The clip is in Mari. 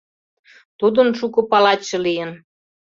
— Тудын шуко палачше лийын.